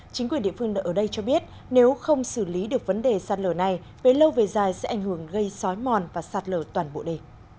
chính quyền địa phương ở đây cho biết nếu không xử lý được vấn đề sạt lở này với lâu về dài sẽ ảnh hưởng gây sói mòn và sạt lở toàn bộ đề